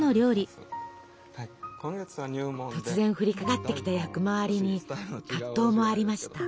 突然降りかかってきた役回りに葛藤もありました。